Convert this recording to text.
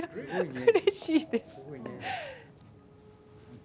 うれしいです。